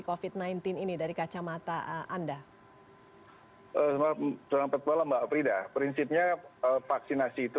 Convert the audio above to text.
covid sembilan belas ini dari kacamata anda selamat malam mbak frida prinsipnya vaksinasi itu